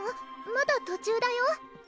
まだ途中だよ？